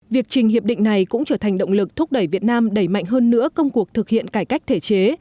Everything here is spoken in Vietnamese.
việc trình hiệp định này cũng trở thành động lực thúc đẩy việt nam đẩy mạnh hơn nữa công cuộc thực hiện cải cách thể chế